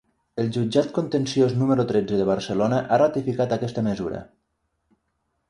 El jutjat contenciós número tretze de Barcelona ha ratificat aquesta mesura.